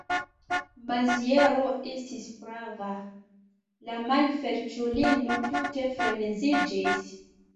Maziero estis prava: la malfeliĉulino tute freneziĝis.